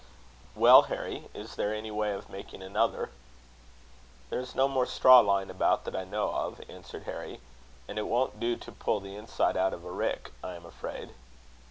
"Well, Harry, is there any way of making another?" "There's no more straw lying about that I know of," answered Harry; "and it won't do to pull the inside out of a rick, I am afraid."